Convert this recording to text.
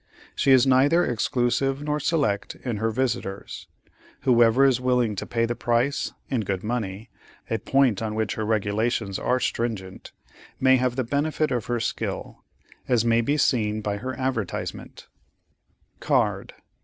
She is neither exclusive nor select in her visitors. Whoever is willing to pay the price, in good money—a point on which her regulations are stringent—may have the benefit of her skill, as may be seen by her advertisement: "CARD.